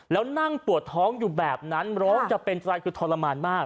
แล้วนั่งปวดท้องอยู่แบบนั้นโรคจะเป็นสร้างคุณทรมานมาก